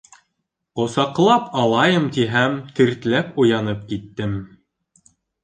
Ҡосаҡлап алайым тиһәм, тертләп уянып киттем.